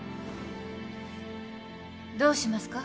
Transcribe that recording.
どうしますか？